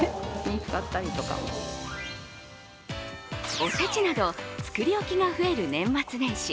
お節など作り置きが増える年末年始。